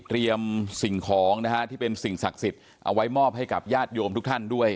สิ่งของนะฮะที่เป็นสิ่งศักดิ์สิทธิ์เอาไว้มอบให้กับญาติโยมทุกท่านด้วย